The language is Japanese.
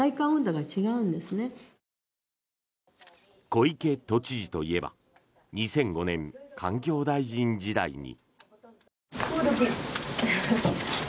小池都知事といえば２００５年、環境大臣時代に。